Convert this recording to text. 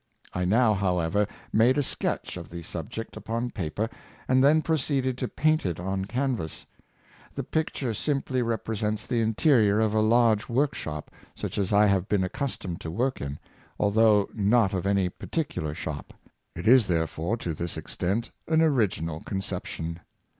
I now, however, made a sketch of the sub ject upon paper, and then proceeded to paint it on can vas. The picture simply represents the interior of a A utohiography. 355 large workshop such as I have been accustomed to work in, although not of any particular shop. It is, therefore, to this extent, an original conception.